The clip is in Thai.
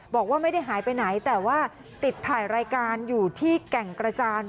บอกว่าไม่ได้หายไปไหนแต่ว่าติดถ่ายรายการอยู่ที่แก่งกระจาน